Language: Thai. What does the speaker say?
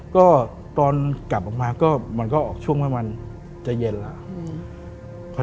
ก็ตอนกลับออกมาก็มันก็ออกช่วงประมาณจะเย็นแล้ว